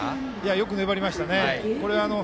よく粘りましたね。